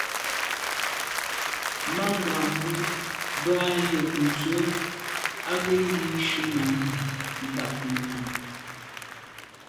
Mangambe bə́ ɑ̂ yə̀k nzwe' ɑ́ gə́ yí gi shúnɔ̀m Batngub.